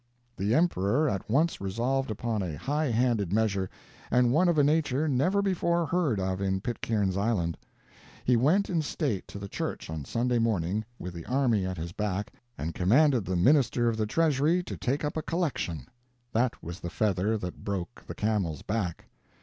The emperor at once resolved upon a high handed measure, and one of a nature never before heard of in Pitcairn's Island. He went in state to the church on Sunday morning, with the army at his back, and commanded the minister of the treasury to take up a collection. That was the feather that broke the camel's back.